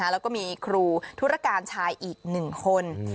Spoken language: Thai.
แล้วก็มีครูธุรการชายอีก๑คน